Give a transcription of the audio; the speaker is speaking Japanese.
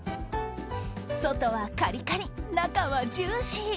外はカリカリ、中はジューシー。